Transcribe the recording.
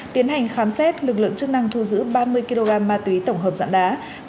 tiến hành khám xét lực lượng chức năng thu giữ ba mươi kg ma túy tổng hợp dạng đá